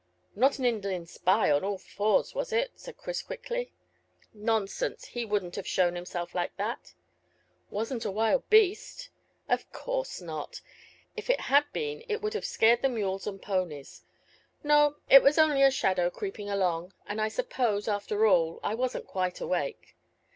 "Not an Indian spy on all fours, was it?" said Chris quickly. "Nonsense! He wouldn't have shown himself like that." "Wasn't a wild beast?" "Of course not. If it had been it would have scared the mules and ponies. No, it was only a shadow creeping along, and I suppose, after all, I wasn't quite awake.